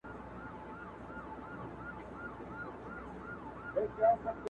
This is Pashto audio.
پرېږده چي نشه یم له خمار سره مي نه لګي٫